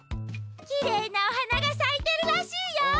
きれいなおはながさいてるらしいよ！